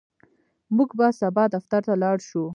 موږ به سبا دفتر ته لاړ شو.